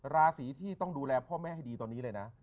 ราศีที่ต้องดูแลพ่อแม่ให้ดีตอนนี้เลยนะ